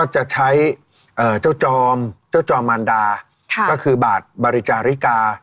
ใช้เจ้าจอมมารดาคือบาทบริจาริกา